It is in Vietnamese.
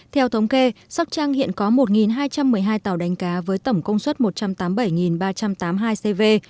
theo thống kê sóc trăng hiện có một hai trăm một mươi hai tàu đánh cá với tổng công suất một trăm tám mươi bảy ba trăm tám mươi hai cv